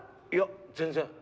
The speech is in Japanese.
いや全然。